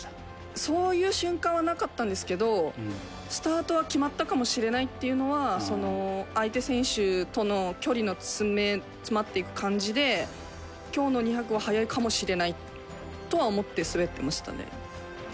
美帆：そういう瞬間はなかったんですけどスタートは決まったかもしれないっていうのは相手選手との距離の詰まっていく感じで今日の２００は速いかもしれないとは思って滑ってましたね。